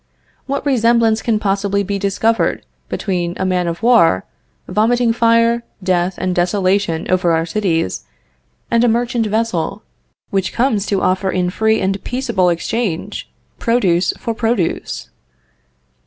What resemblance can possibly be discovered between a man of war, vomiting fire, death, and desolation over our cities and a merchant vessel, which comes to offer in free and peaceable exchange, produce for produce?